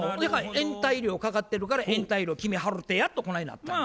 延滞料かかってるから延滞料君払うてやとこないなったんや。